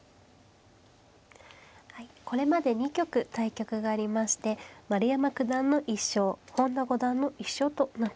これまで２局対局がありまして丸山九段の１勝本田五段の１勝となっています。